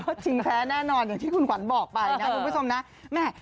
จริงแท้แน่นอนอย่างที่คุณขวัญบอกไปนะคุณผู้ชมนะแม่